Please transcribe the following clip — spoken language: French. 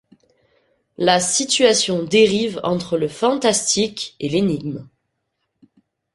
La situation dérive entre le fantastique et l'énigme.